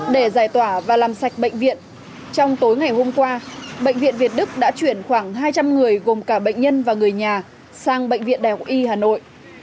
để giải tỏa và làm sạch bệnh viện trong tối ngày hôm qua bệnh viện việt đức đã chuyển khoảng hai trăm linh người gồm cả bệnh nhân và người nhà sang bệnh viện đại học y hà nội